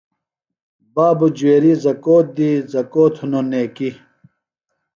بابوۡ جویری زکُوت دی، زکُوت ہِنوۡ نیکیۡ